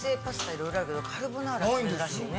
いろいろあるけどカルボナーラって珍しいね。